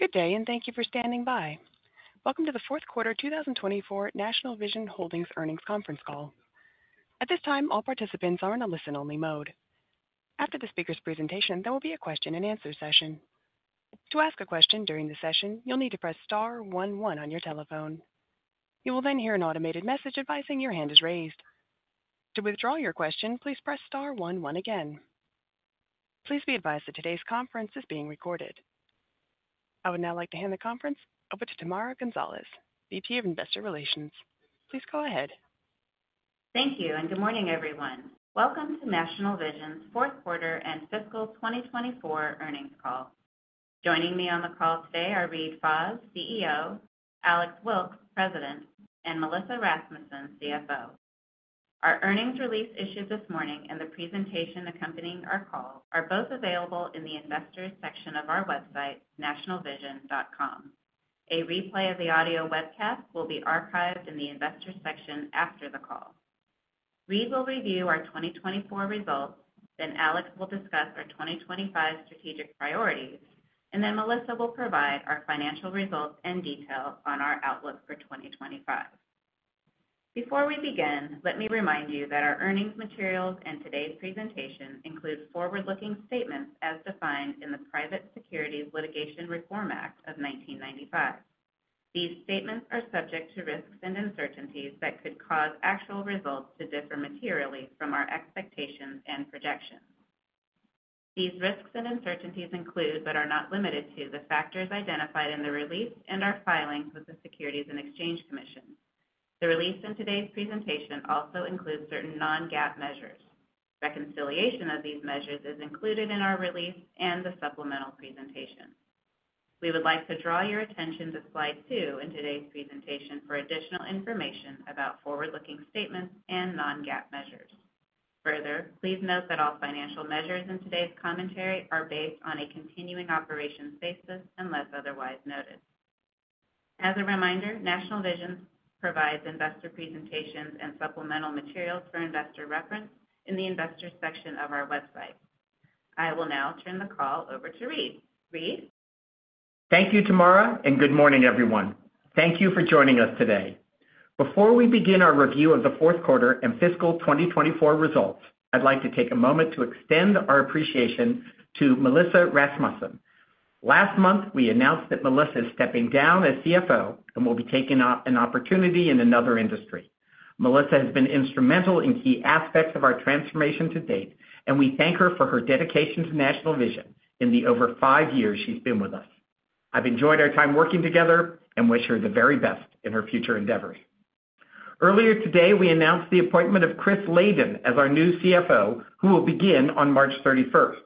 Good day, and thank you for standing by. Welcome to the Fourth Quarter 2024 National Vision Holdings Earnings Conference Call. At this time, all participants are in a listen-only mode. After the speaker's presentation, there will be a question-and-answer session. To ask a question during the session, you'll need to press star one one on your telephone. You will then hear an automated message advising your hand is raised. To withdraw your question, please press star one one again. Please be advised that today's conference is being recorded. I would now like to hand the conference over to Tamara Gonzalez, VP of Investor Relations. Please go ahead. Thank you, and good morning, everyone. Welcome to National Vision's Fourth Quarter and Fiscal 2024 Earnings Call. Joining me on the call today are Reade Fahs, CEO; Alex Wilkes, President; and Melissa Rasmussen, CFO. Our earnings release issued this morning and the presentation accompanying our call are both available in the investors' section of our website, nationalvision.com. A replay of the audio webcast will be archived in the investors' section after the call. Reade will review our 2024 results, then Alex will discuss our 2025 strategic priorities, and then Melissa will provide our financial results in detail on our outlook for 2025. Before we begin, let me remind you that our earnings materials and today's presentation include forward-looking statements as defined in the Private Securities Litigation Reform Act of 1995. These statements are subject to risks and uncertainties that could cause actual results to differ materially from our expectations and projections. These risks and uncertainties include, but are not limited to, the factors identified in the release and our filings with the Securities and Exchange Commission. The release and today's presentation also include certain non-GAAP measures. Reconciliation of these measures is included in our release and the supplemental presentation. We would like to draw your attention to slide two in today's presentation for additional information about forward-looking statements and non-GAAP measures. Further, please note that all financial measures in today's commentary are based on a continuing operations basis unless otherwise noted. As a reminder, National Vision provides investor presentations and supplemental materials for investor reference in the investors' section of our website. I will now turn the call over to Reade. Reade? Thank you, Tamara, and good morning, everyone. Thank you for joining us today. Before we begin our review of the fourth quarter and fiscal 2024 results, I'd like to take a moment to extend our appreciation to Melissa Rasmussen. Last month, we announced that Melissa is stepping down as CFO and will be taking an opportunity in another industry. Melissa has been instrumental in key aspects of our transformation to date, and we thank her for her dedication to National Vision in the over five years she's been with us. I've enjoyed our time working together and wish her the very best in her future endeavors. Earlier today, we announced the appointment of Chris Laden as our new CFO, who will begin on March 31st.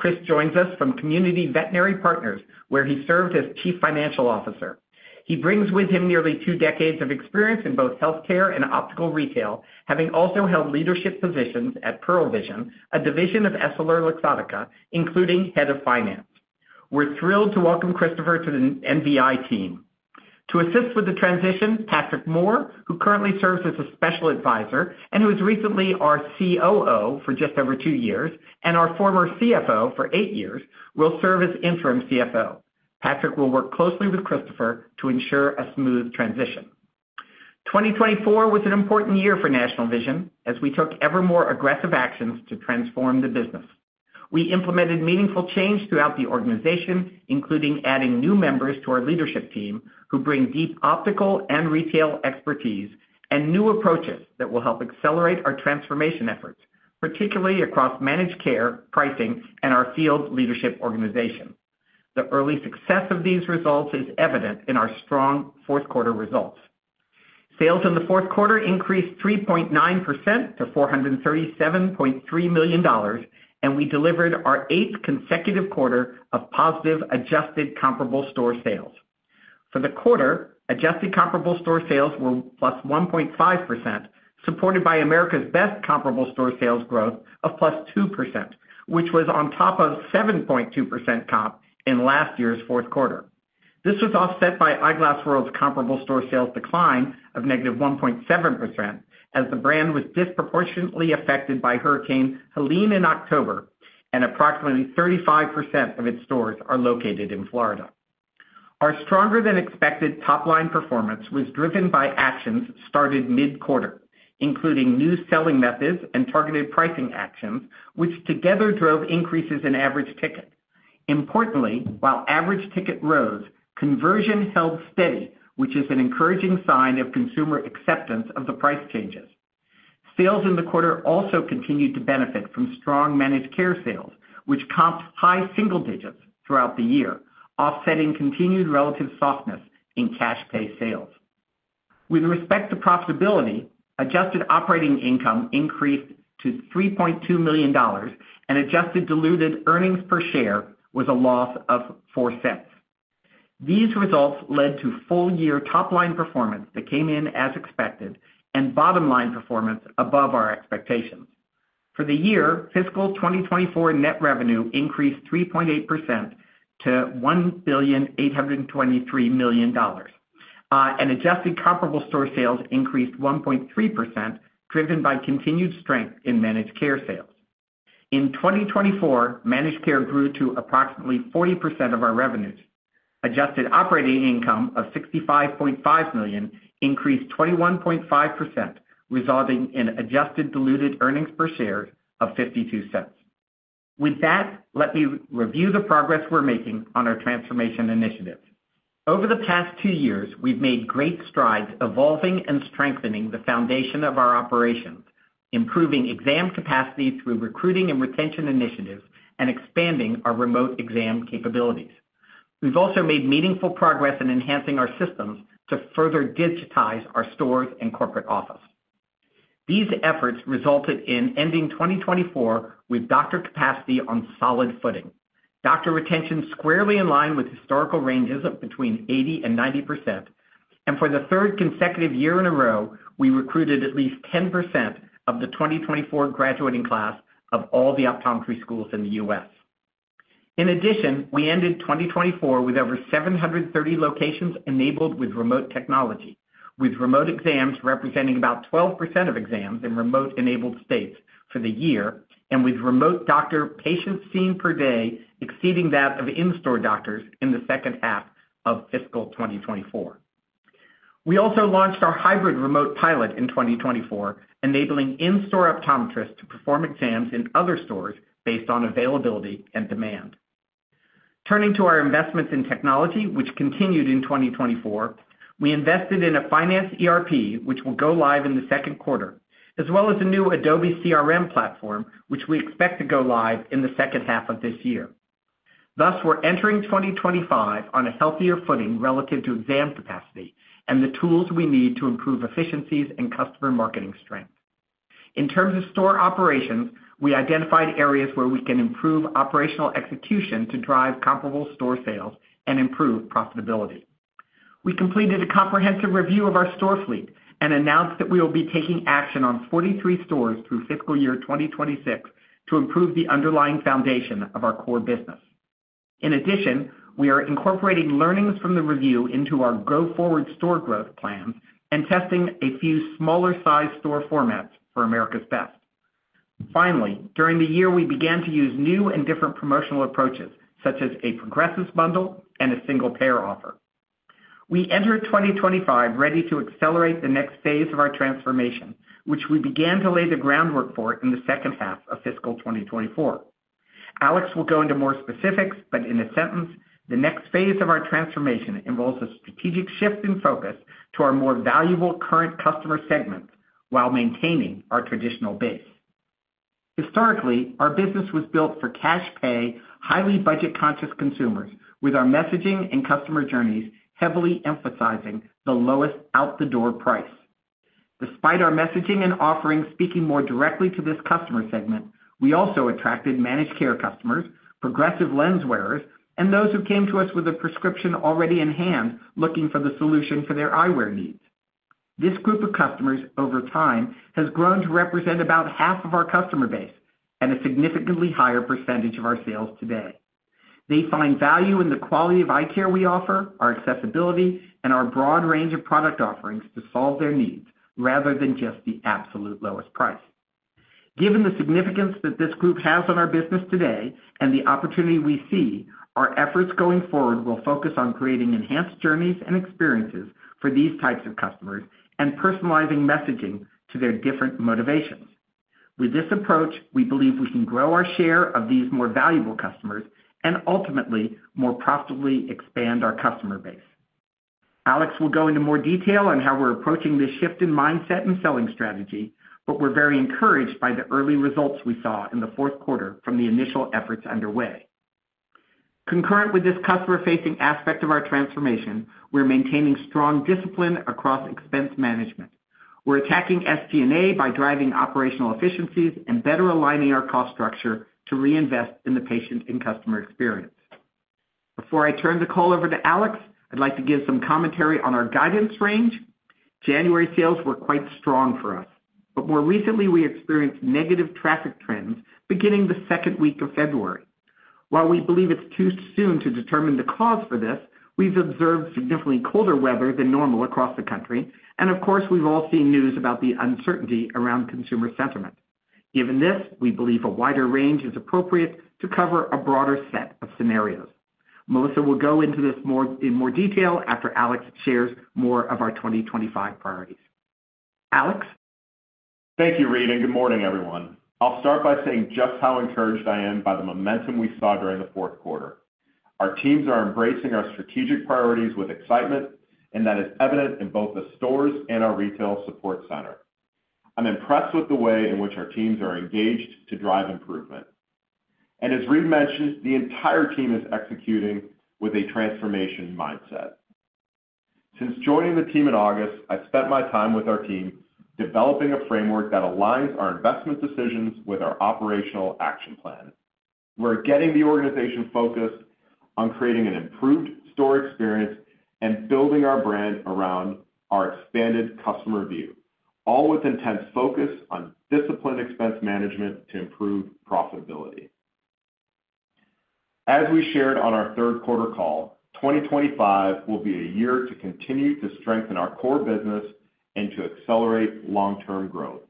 Chris joins us from Community Veterinary Partners, where he served as Chief Financial Officer. He brings with him nearly two decades of experience in both healthcare and optical retail, having also held leadership positions at Pearle Vision, a division of EssilorLuxottica, including Head of Finance. We're thrilled to welcome Christopher to the NVI team. To assist with the transition, Patrick Moore, who currently serves as a Special Advisor and who was recently our COO for just over two years and our former CFO for eight years, will serve as Interim CFO. Patrick will work closely with Christopher to ensure a smooth transition. 2024 was an important year for National Vision as we took ever more aggressive actions to transform the business. We implemented meaningful change throughout the organization, including adding new members to our leadership team who bring deep optical and retail expertise and new approaches that will help accelerate our transformation efforts, particularly across managed care, pricing, and our field leadership organization. The early success of these results is evident in our strong fourth quarter results. Sales in the fourth quarter increased 3.9% to $437.3 million, and we delivered our eighth consecutive quarter of positive adjusted comparable store sales. For the quarter, adjusted comparable store sales were plus 1.5%, supported by America's Best comparable store sales growth of plus 2%, which was on top of 7.2% comp in last year's fourth quarter. This was offset by Eyeglass World's comparable store sales decline of negative 1.7% as the brand was disproportionately affected by Hurricane Helene in October, and approximately 35% of its stores are located in Florida. Our stronger-than-expected top-line performance was driven by actions started mid-quarter, including new selling methods and targeted pricing actions, which together drove increases in average ticket. Importantly, while average ticket rose, conversion held steady, which is an encouraging sign of consumer acceptance of the price changes. Sales in the quarter also continued to benefit from strong managed care sales, which comped high single digits throughout the year, offsetting continued relative softness in cash pay sales. With respect to profitability, adjusted operating income increased to $3.2 million, and adjusted diluted earnings per share was a loss of $0.04. These results led to full-year top-line performance that came in as expected and bottom-line performance above our expectations. For the year, fiscal 2024 net revenue increased 3.8% to $1,823,000,000, and adjusted comparable store sales increased 1.3%, driven by continued strength in managed care sales. In 2024, managed care grew to approximately 40% of our revenues. Adjusted operating income of $65.5 million increased 21.5%, resulting in adjusted diluted earnings per share of $0.52. With that, let me review the progress we're making on our transformation initiatives. Over the past two years, we've made great strides evolving and strengthening the foundation of our operations, improving exam capacity through recruiting and retention initiatives, and expanding our remote exam capabilities. We've also made meaningful progress in enhancing our systems to further digitize our stores and corporate office. These efforts resulted in ending 2024 with doctor capacity on solid footing. Doctor retention is squarely in line with historical ranges of between 80% and 90%, and for the third consecutive year in a row, we recruited at least 10% of the 2024 graduating class of all the optometry schools in the U.S. In addition, we ended 2024 with over 730 locations enabled with remote technology, with remote exams representing about 12% of exams in remote-enabled states for the year, and with remote doctor patients seen per day exceeding that of in-store doctors in the second half of fiscal 2024. We also launched our hybrid remote pilot in 2024, enabling in-store optometrists to perform exams in other stores based on availability and demand. Turning to our investments in technology, which continued in 2024, we invested in a finance ERP, which will go live in the second quarter, as well as a new Adobe CRM platform, which we expect to go live in the second half of this year. Thus, we're entering 2025 on a healthier footing relative to exam capacity and the tools we need to improve efficiencies and customer marketing strength. In terms of store operations, we identified areas where we can improve operational execution to drive comparable store sales and improve profitability. We completed a comprehensive review of our store fleet and announced that we will be taking action on 43 stores through fiscal year 2026 to improve the underlying foundation of our core business. In addition, we are incorporating learnings from the review into our go-forward store growth plans and testing a few smaller-sized store formats for America's Best. Finally, during the year, we began to use new and different promotional approaches, such as a progressive bundle and a single pair offer. We entered 2025 ready to accelerate the next phase of our transformation, which we began to lay the groundwork for in the second half of fiscal 2024. Alex will go into more specifics, but in a sentence, the next phase of our transformation involves a strategic shift in focus to our more valuable current customer segments while maintaining our traditional base. Historically, our business was built for cash pay, highly budget-conscious consumers, with our messaging and customer journeys heavily emphasizing the lowest out-the-door price. Despite our messaging and offering speaking more directly to this customer segment, we also attracted managed care customers, progressive lens wearers, and those who came to us with a prescription already in hand looking for the solution for their eyewear needs. This group of customers, over time, has grown to represent about half of our customer base and a significantly higher percentage of our sales today. They find value in the quality of eye care we offer, our accessibility, and our broad range of product offerings to solve their needs rather than just the absolute lowest price. Given the significance that this group has on our business today and the opportunity we see, our efforts going forward will focus on creating enhanced journeys and experiences for these types of customers and personalizing messaging to their different motivations. With this approach, we believe we can grow our share of these more valuable customers and ultimately more profitably expand our customer base. Alex will go into more detail on how we're approaching this shift in mindset and selling strategy, but we're very encouraged by the early results we saw in the fourth quarter from the initial efforts underway. Concurrent with this customer-facing aspect of our transformation, we're maintaining strong discipline across expense management. We're attacking SG&A by driving operational efficiencies and better aligning our cost structure to reinvest in the patient and customer experience. Before I turn the call over to Alex, I'd like to give some commentary on our guidance range. January sales were quite strong for us, but more recently, we experienced negative traffic trends beginning the second week of February. While we believe it's too soon to determine the cause for this, we've observed significantly colder weather than normal across the country, and of course, we've all seen news about the uncertainty around consumer sentiment. Given this, we believe a wider range is appropriate to cover a broader set of scenarios. Melissa will go into this in more detail after Alex shares more of our 2025 priorities. Alex? Thank you, Reade, and good morning, everyone. I'll start by saying just how encouraged I am by the momentum we saw during the fourth quarter. Our teams are embracing our strategic priorities with excitement, and that is evident in both the stores and our retail support center. I'm impressed with the way in which our teams are engaged to drive improvement. And as Reade mentioned, the entire team is executing with a transformation mindset. Since joining the team in August, I've spent my time with our team developing a framework that aligns our investment decisions with our operational action plan. We're getting the organization focused on creating an improved store experience and building our brand around our expanded customer view, all with intense focus on disciplined expense management to improve profitability. As we shared on our third quarter call, 2025 will be a year to continue to strengthen our core business and to accelerate long-term growth.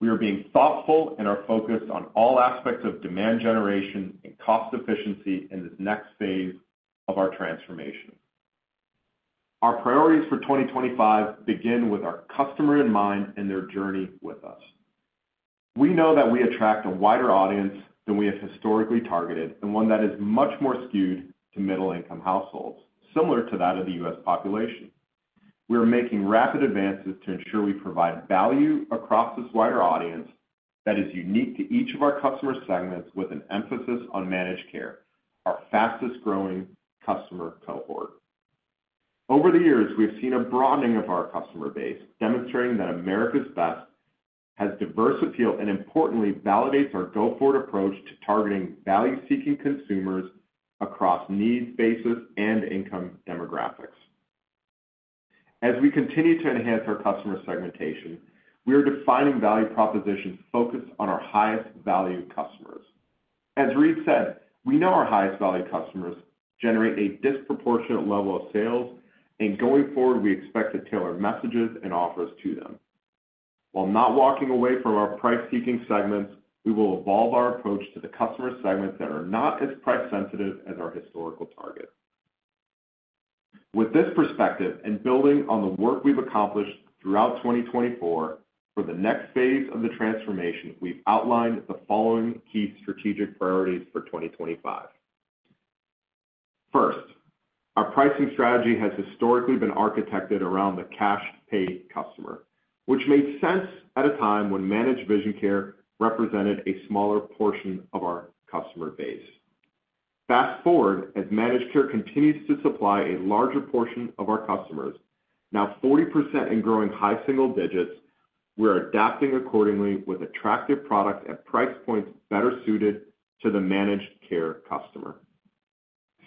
We are being thoughtful in our focus on all aspects of demand generation and cost efficiency in this next phase of our transformation. Our priorities for 2025 begin with our customer in mind and their journey with us. We know that we attract a wider audience than we have historically targeted and one that is much more skewed to middle-income households, similar to that of the U.S. population. We are making rapid advances to ensure we provide value across this wider audience that is unique to each of our customer segments, with an emphasis on managed care, our fastest-growing customer cohort. Over the years, we've seen a broadening of our customer base, demonstrating that America's Best has diverse appeal and, importantly, validates our go-forward approach to targeting value-seeking consumers across needs, bases, and income demographics. As we continue to enhance our customer segmentation, we are defining value propositions focused on our highest-value customers. As Reade said, we know our highest-value customers generate a disproportionate level of sales, and going forward, we expect to tailor messages and offers to them. While not walking away from our price-seeking segments, we will evolve our approach to the customer segments that are not as price-sensitive as our historical target. With this perspective and building on the work we've accomplished throughout 2024 for the next phase of the transformation, we've outlined the following key strategic priorities for 2025. First, our pricing strategy has historically been architected around the cash pay customer, which made sense at a time when managed vision care represented a smaller portion of our customer base. Fast forward, as managed care continues to supply a larger portion of our customers, now 40% and growing high single digits, we're adapting accordingly with attractive products at price points better suited to the managed care customer.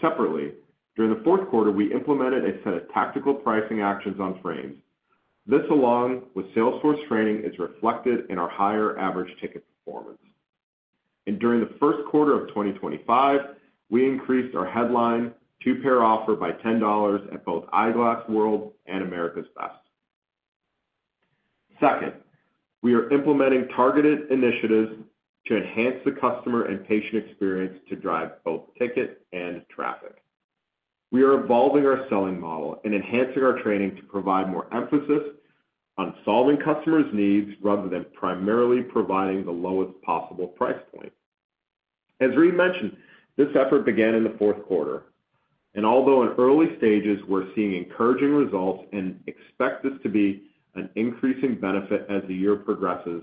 Separately, during the fourth quarter, we implemented a set of tactical pricing actions on frames. This, along with sales force training, is reflected in our higher average ticket performance. And during the first quarter of 2025, we increased our headline two-pair offer by $10 at both Eyeglass World and America's Best. Second, we are implementing targeted initiatives to enhance the customer and patient experience to drive both ticket and traffic. We are evolving our selling model and enhancing our training to provide more emphasis on solving customers' needs rather than primarily providing the lowest possible price point. As Reade mentioned, this effort began in the fourth quarter, and although in early stages, we're seeing encouraging results and expect this to be an increasing benefit as the year progresses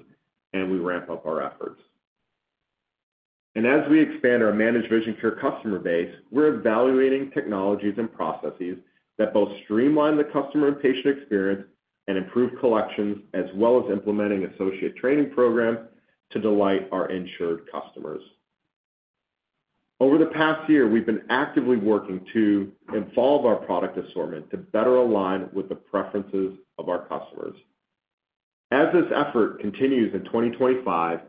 and we ramp up our efforts, and as we expand our managed vision care customer base, we're evaluating technologies and processes that both streamline the customer and patient experience and improve collections, as well as implementing associate training programs to delight our insured customers. Over the past year, we've been actively working to evolve our product assortment to better align with the preferences of our customers. As this effort continues in 2025,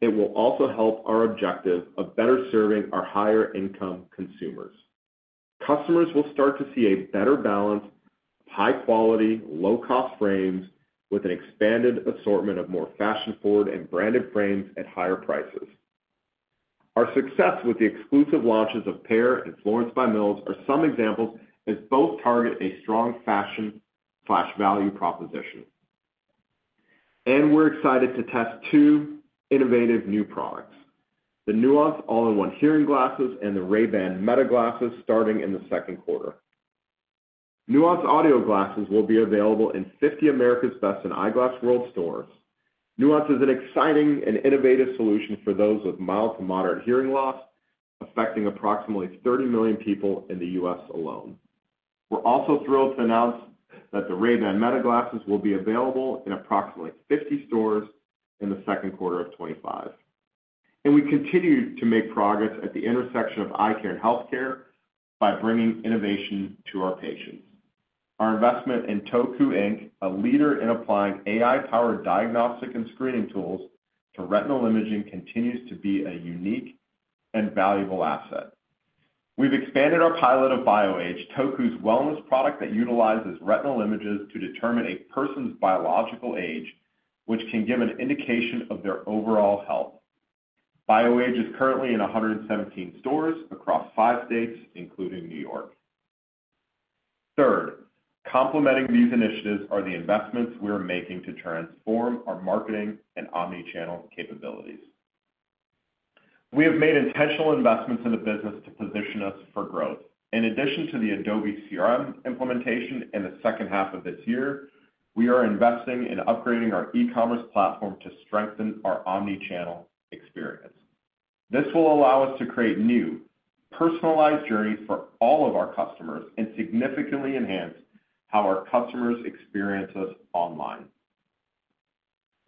it will also help our objective of better serving our higher-income consumers. Customers will start to see a better balance of high-quality, low-cost frames with an expanded assortment of more fashion-forward and branded frames at higher prices. Our success with the exclusive launches of Pair and Florence by Mills are some examples as both target a strong fashion/value proposition, and we're excited to test two innovative new products, the Nuance All-in-One Hearing Glasses and the Ray-Ban Meta Glasses, starting in the second quarter. Nuance Audio glasses will be available in 50 America's Best and Eyeglass World stores. Nuance is an exciting and innovative solution for those with mild to moderate hearing loss, affecting approximately 30 million people in the U.S. alone. We're also thrilled to announce that the Ray-Ban Meta Glasses will be available in approximately 50 stores in the second quarter of 2025. We continue to make progress at the intersection of eye care and healthcare by bringing innovation to our patients. Our investment in Toku, Inc., a leader in applying AI-powered diagnostic and screening tools to retinal imaging, continues to be a unique and valuable asset. We've expanded our pilot of BioAge, Toku's wellness product that utilizes retinal images to determine a person's biological age, which can give an indication of their overall health. BioAge is currently in 117 stores across five states, including New York. Third, complementing these initiatives are the investments we're making to transform our marketing and omnichannel capabilities. We have made intentional investments in the business to position us for growth. In addition to the Adobe CRM implementation in the second half of this year, we are investing in upgrading our e-commerce platform to strengthen our omnichannel experience. This will allow us to create new personalized journeys for all of our customers and significantly enhance how our customers experience us online.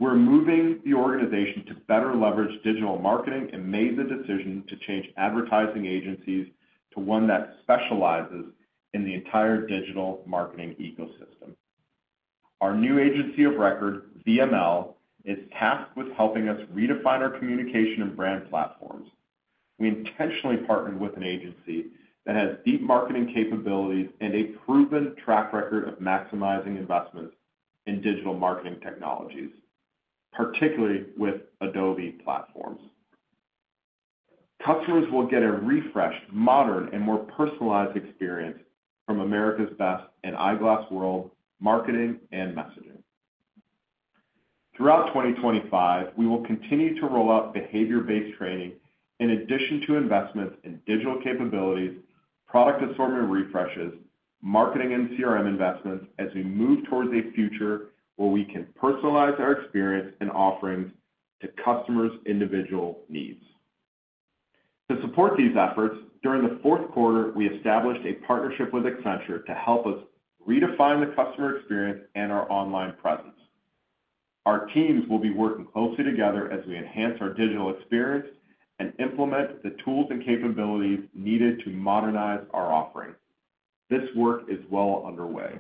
We're moving the organization to better leverage digital marketing and made the decision to change advertising agencies to one that specializes in the entire digital marketing ecosystem. Our new agency of record, VML, is tasked with helping us redefine our communication and brand platforms. We intentionally partnered with an agency that has deep marketing capabilities and a proven track record of maximizing investments in digital marketing technologies, particularly with Adobe platforms. Customers will get a refreshed, modern, and more personalized experience from America's Best and Eyeglass World marketing and messaging. Throughout 2025, we will continue to roll out behavior-based training in addition to investments in digital capabilities, product assortment refreshes, marketing, and CRM investments as we move towards a future where we can personalize our experience and offerings to customers' individual needs. To support these efforts, during the fourth quarter, we established a partnership with Accenture to help us redefine the customer experience and our online presence. Our teams will be working closely together as we enhance our digital experience and implement the tools and capabilities needed to modernize our offering. This work is well underway.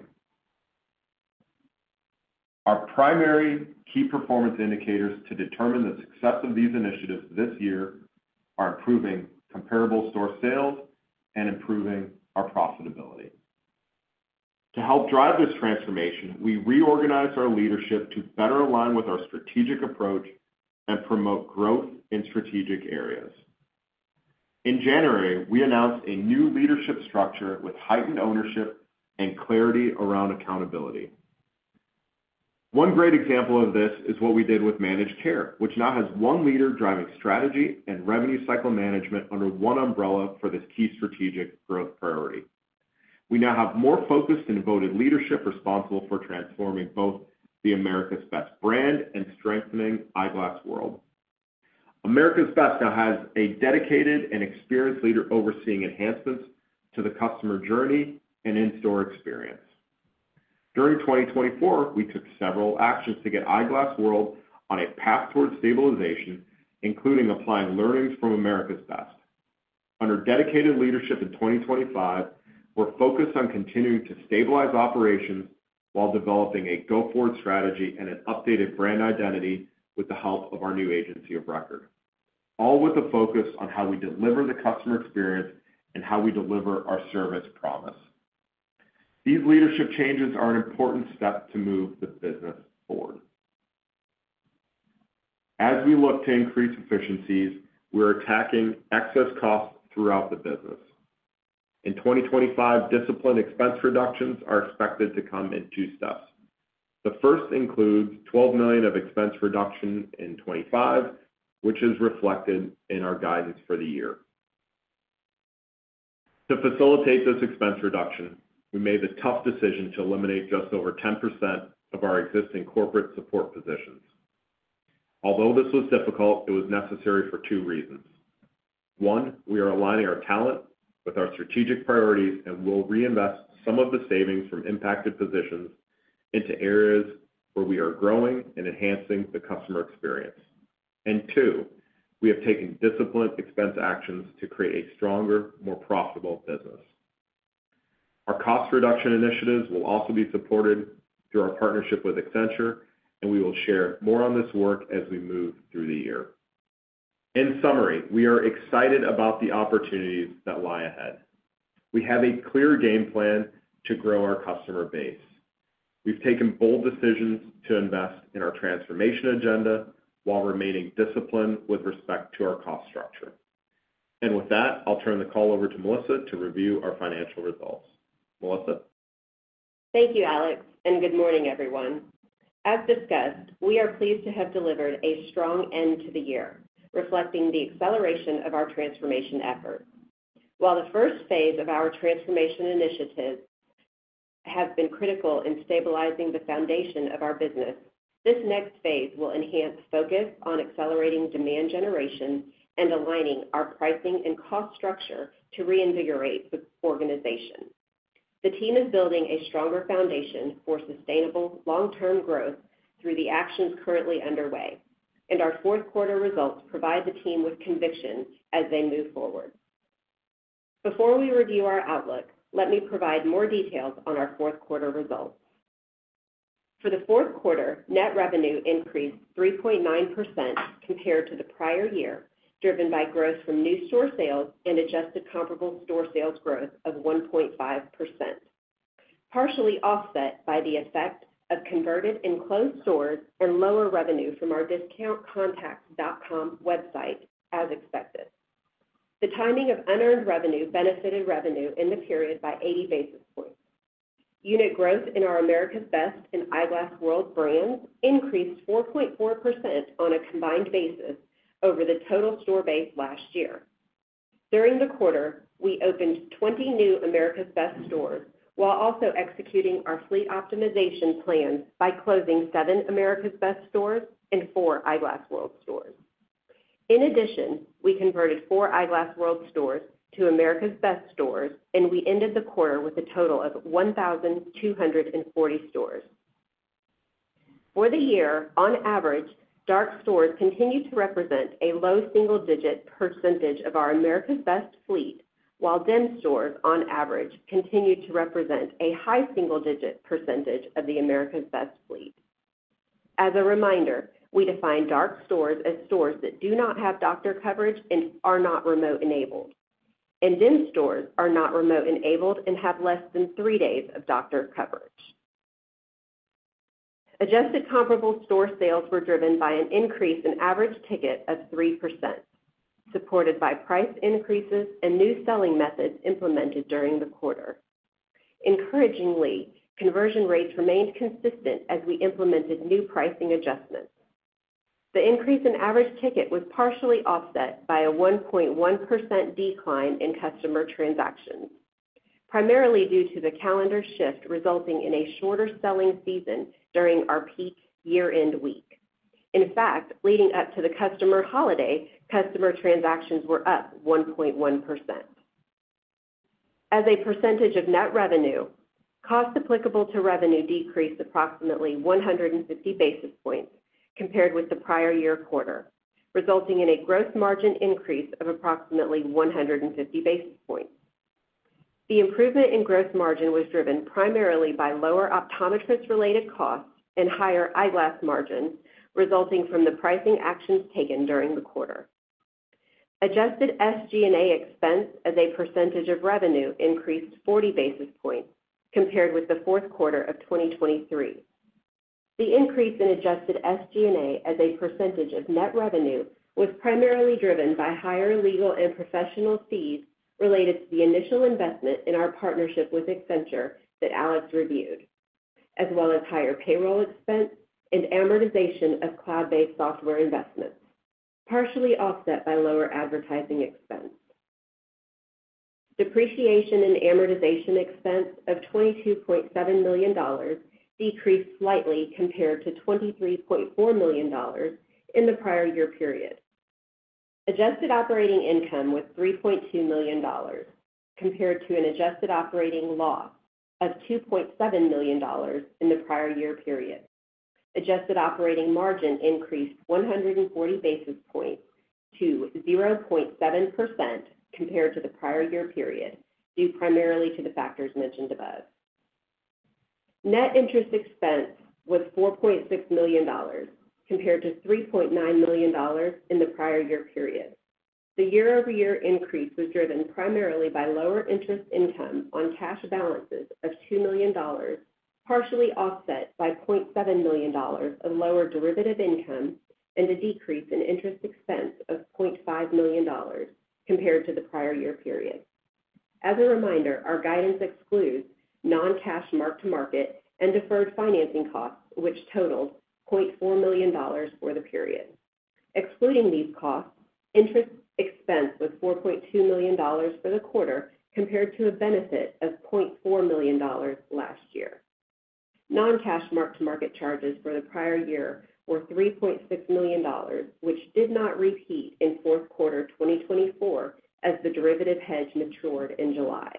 Our primary key performance indicators to determine the success of these initiatives this year are improving comparable store sales and improving our profitability. To help drive this transformation, we reorganized our leadership to better align with our strategic approach and promote growth in strategic areas. In January, we announced a new leadership structure with heightened ownership and clarity around accountability. One great example of this is what we did with managed care, which now has one leader driving strategy and revenue cycle management under one umbrella for this key strategic growth priority. We now have more focused and devoted leadership responsible for transforming both the America's Best brand and strengthening Eyeglass World. America's Best now has a dedicated and experienced leader overseeing enhancements to the customer journey and in-store experience. During 2024, we took several actions to get Eyeglass World on a path towards stabilization, including applying learnings from America's Best. Under dedicated leadership in 2025, we're focused on continuing to stabilize operations while developing a go-forward strategy and an updated brand identity with the help of our new agency of record, all with a focus on how we deliver the customer experience and how we deliver our service promise. These leadership changes are an important step to move the business forward. As we look to increase efficiencies, we're attacking excess costs throughout the business. In 2025, disciplined expense reductions are expected to come in two steps. The first includes $12 million of expense reduction in 2025, which is reflected in our guidance for the year. To facilitate this expense reduction, we made the tough decision to eliminate just over 10% of our existing corporate support positions. Although this was difficult, it was necessary for two reasons. One, we are aligning our talent with our strategic priorities and will reinvest some of the savings from impacted positions into areas where we are growing and enhancing the customer experience. And two, we have taken disciplined expense actions to create a stronger, more profitable business. Our cost reduction initiatives will also be supported through our partnership with Accenture, and we will share more on this work as we move through the year. In summary, we are excited about the opportunities that lie ahead. We have a clear game plan to grow our customer base. We've taken bold decisions to invest in our transformation agenda while remaining disciplined with respect to our cost structure. And with that, I'll turn the call over to Melissa to review our financial results. Melissa. Thank you, Alex, and good morning, everyone. As discussed, we are pleased to have delivered a strong end to the year, reflecting the acceleration of our transformation efforts. While the first phase of our transformation initiative has been critical in stabilizing the foundation of our business, this next phase will enhance focus on accelerating demand generation and aligning our pricing and cost structure to reinvigorate the organization. The team is building a stronger foundation for sustainable long-term growth through the actions currently underway, and our fourth quarter results provide the team with conviction as they move forward. Before we review our outlook, let me provide more details on our fourth quarter results. For the fourth quarter, net revenue increased 3.9% compared to the prior year, driven by growth from new store sales and adjusted comparable store sales growth of 1.5%, partially offset by the effect of converted and closed stores and lower revenue from our discountcontacts.com website as expected. The timing of unearned revenue benefited revenue in the period by 80 basis points. Unit growth in our America's Best and Eyeglass World brands increased 4.4% on a combined basis over the total store base last year. During the quarter, we opened 20 new America's Best stores while also executing our fleet optimization plans by closing seven America's Best stores and four Eyeglass World stores. In addition, we converted four Eyeglass World stores to America's Best stores, and we ended the quarter with a total of 1,240 stores. For the year, on average, dark stores continued to represent a low single-digit percentage of our America's Best fleet, while dim stores on average continued to represent a high single-digit percentage of the America's Best fleet. As a reminder, we define dark stores as stores that do not have doctor coverage and are not remote-enabled, and dim stores are not remote-enabled and have less than three days of doctor coverage. Adjusted comparable store sales were driven by an increase in average ticket of 3%, supported by price increases and new selling methods implemented during the quarter. Encouragingly, conversion rates remained consistent as we implemented new pricing adjustments. The increase in average ticket was partially offset by a 1.1% decline in customer transactions, primarily due to the calendar shift resulting in a shorter selling season during our peak year-end week. In fact, leading up to the customer holiday, customer transactions were up 1.1%. As a percentage of net revenue, cost applicable to revenue decreased approximately 150 basis points compared with the prior year quarter, resulting in a gross margin increase of approximately 150 basis points. The improvement in gross margin was driven primarily by lower optometrist-related costs and higher eyeglass margins resulting from the pricing actions taken during the quarter. Adjusted SG&A expense as a percentage of revenue increased 40 basis points compared with the fourth quarter of 2023. The increase in adjusted SG&A as a percentage of net revenue was primarily driven by higher legal and professional fees related to the initial investment in our partnership with Accenture that Alex reviewed, as well as higher payroll expense and amortization of cloud-based software investments, partially offset by lower advertising expense. Depreciation and amortization expense of $22.7 million decreased slightly compared to $23.4 million in the prior year period. Adjusted operating income was $3.2 million compared to an adjusted operating loss of $2.7 million in the prior year period. Adjusted operating margin increased 140 basis points to 0.7% compared to the prior year period due primarily to the factors mentioned above. Net interest expense was $4.6 million compared to $3.9 million in the prior year period. The year-over-year increase was driven primarily by lower interest income on cash balances of $2 million, partially offset by $0.7 million of lower derivative income and a decrease in interest expense of $0.5 million compared to the prior year period. As a reminder, our guidance excludes non-cash mark-to-market and deferred financing costs, which totaled $0.4 million for the period. Excluding these costs, interest expense was $4.2 million for the quarter compared to a benefit of $0.4 million last year. Non-cash mark-to-market charges for the prior year were $3.6 million, which did not repeat in fourth quarter 2024 as the derivative hedge matured in July.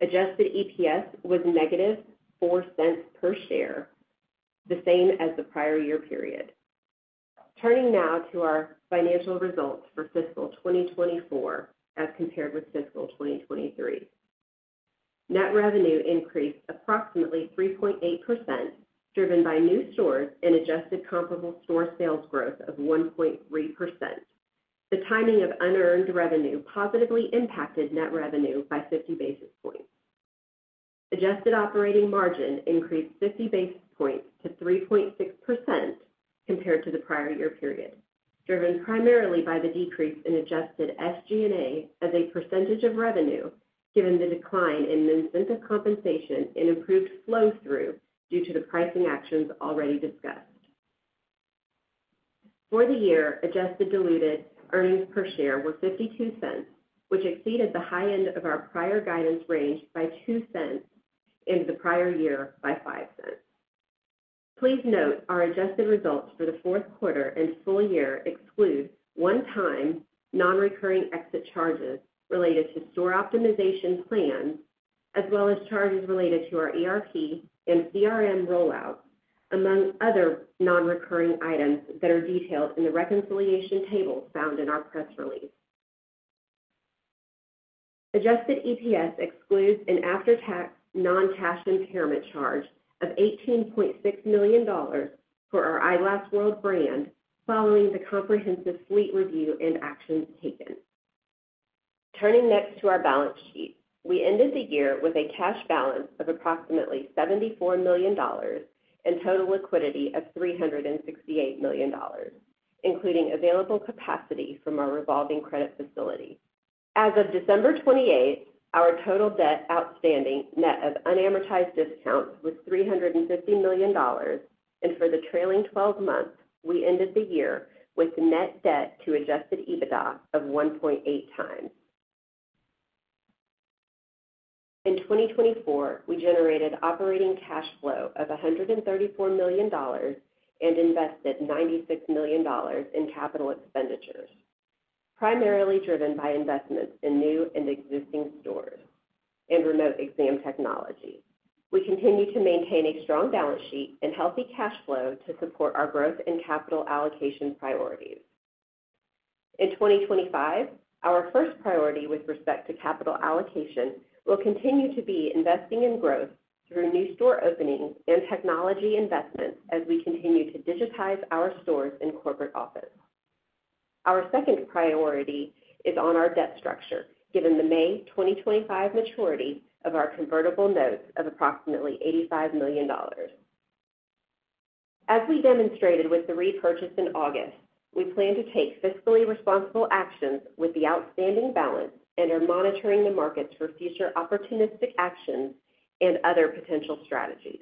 Adjusted EPS was negative $0.04 per share, the same as the prior year period. Turning now to our financial results for fiscal 2024 as compared with fiscal 2023, net revenue increased approximately 3.8%, driven by new stores and adjusted comparable store sales growth of 1.3%. The timing of unearned revenue positively impacted net revenue by 50 basis points. Adjusted operating margin increased 50 basis points to 3.6% compared to the prior year period, driven primarily by the decrease in adjusted SG&A as a percentage of revenue given the decline in incentive compensation and improved flow-through due to the pricing actions already discussed. For the year, adjusted diluted earnings per share were $0.52, which exceeded the high end of our prior guidance range by $0.02 in the prior year by $0.05. Please note our adjusted results for the fourth quarter and full year exclude one-time non-recurring exit charges related to store optimization plans, as well as charges related to our ERP and CRM rollouts, among other non-recurring items that are detailed in the reconciliation tables found in our press release. Adjusted EPS excludes an after-tax non-cash impairment charge of $18.6 million for our Eyeglass World brand following the comprehensive fleet review and actions taken. Turning next to our balance sheet, we ended the year with a cash balance of approximately $74 million and total liquidity of $368 million, including available capacity from our revolving credit facility. As of December 28, our total debt outstanding net of unamortized discounts was $350 million, and for the trailing 12 months, we ended the year with net debt to Adjusted EBITDA of 1.8 times. In 2024, we generated operating cash flow of $134 million and invested $96 million in capital expenditures, primarily driven by investments in new and existing stores and remote exam technology. We continue to maintain a strong balance sheet and healthy cash flow to support our growth and capital allocation priorities. In 2025, our first priority with respect to capital allocation will continue to be investing in growth through new store openings and technology investments as we continue to digitize our stores and corporate office. Our second priority is on our debt structure, given the May 2025 maturity of our convertible notes of approximately $85 million. As we demonstrated with the repurchase in August, we plan to take fiscally responsible actions with the outstanding balance and are monitoring the markets for future opportunistic actions and other potential strategies.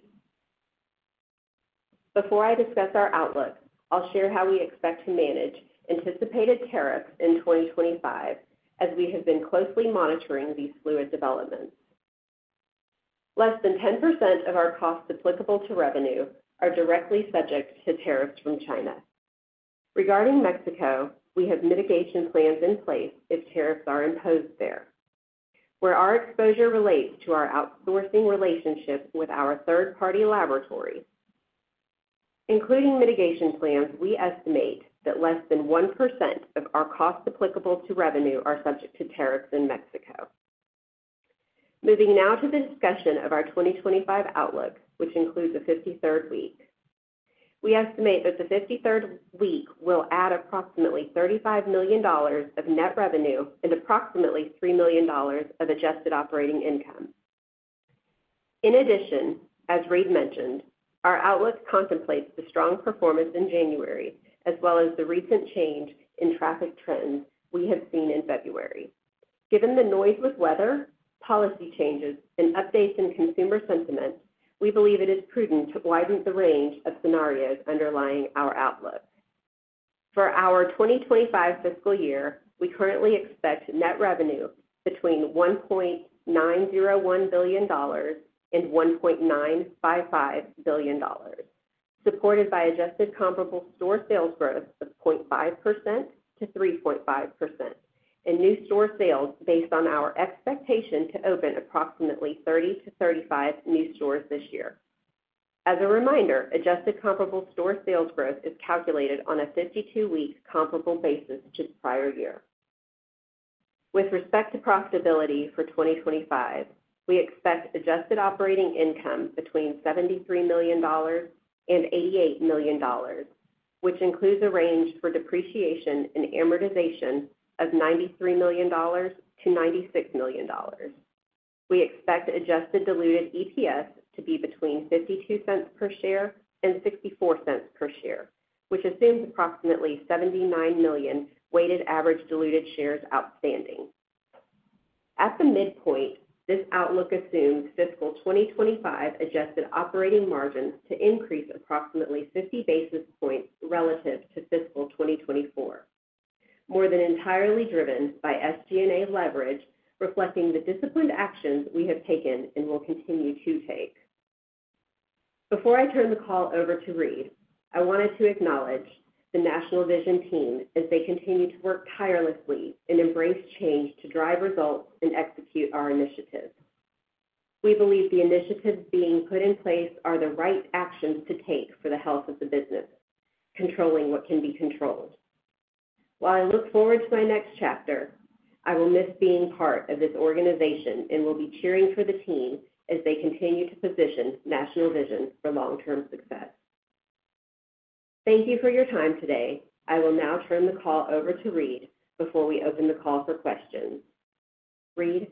Before I discuss our outlook, I'll share how we expect to manage anticipated tariffs in 2025 as we have been closely monitoring these fluid developments. Less than 10% of our costs applicable to revenue are directly subject to tariffs from China. Regarding Mexico, we have mitigation plans in place if tariffs are imposed there, where our exposure relates to our outsourcing relationship with our third-party laboratory. Including mitigation plans, we estimate that less than 1% of our costs applicable to revenue are subject to tariffs in Mexico. Moving now to the discussion of our 2025 outlook, which includes the 53rd week. We estimate that the 53rd week will add approximately $35 million of net revenue and approximately $3 million of adjusted operating income. In addition, as Reade mentioned, our outlook contemplates the strong performance in January, as well as the recent change in traffic trends we have seen in February. Given the noise with weather, policy changes, and updates in consumer sentiment, we believe it is prudent to widen the range of scenarios underlying our outlook. For our 2025 fiscal year, we currently expect net revenue between $1.901 billion and $1.955 billion, supported by adjusted comparable store sales growth of 0.5%-3.5%, and new store sales based on our expectation to open approximately 30-35 new stores this year. As a reminder, adjusted comparable store sales growth is calculated on a 52-week comparable basis to the prior year. With respect to profitability for 2025, we expect adjusted operating income between $73 million and $88 million, which includes a range for depreciation and amortization of $93 million-$96 million. We expect adjusted diluted EPS to be between $0.52 per share and $0.64 per share, which assumes approximately 79 million weighted average diluted shares outstanding. At the midpoint, this outlook assumes fiscal 2025 adjusted operating margins to increase approximately 50 basis points relative to fiscal 2024, more than entirely driven by SG&A leverage, reflecting the disciplined actions we have taken and will continue to take. Before I turn the call over to Reade, I wanted to acknowledge the National Vision Team as they continue to work tirelessly and embrace change to drive results and execute our initiatives. We believe the initiatives being put in place are the right actions to take for the health of the business, controlling what can be controlled. While I look forward to my next chapter, I will miss being part of this organization and will be cheering for the team as they continue to position National Vision for long-term success. Thank you for your time today. I will now turn the call over to Reade before we open the call for questions. Reade?